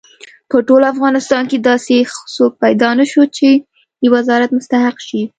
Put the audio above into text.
په ټول افغانستان کې داسې څوک پیدا نه شو چې د وزارت مستحق شي.